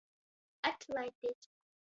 Atlaidit!